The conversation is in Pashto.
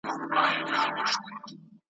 خو ستا پر شونډو به ساتلی یمه `